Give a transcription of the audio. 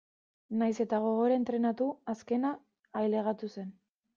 Nahiz eta gogor entrenatu azkena ailegatu zen.